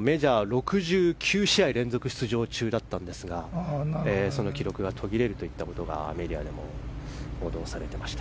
メジャー６９試合、連続で出場中だったんですがその記録が途切れるということがメディアでも報道されていました。